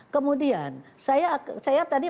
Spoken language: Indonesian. kemudian saya tadi